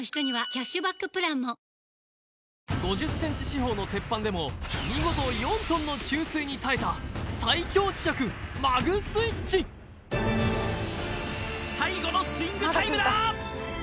５０ｃｍ四方の鉄板でも見事４ｔの注水に耐えた最強磁石マグスイッチ最後のスイングタイムだ！